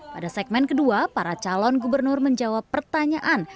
pada segmen kedua para calon gubernur menjawab pertanyaan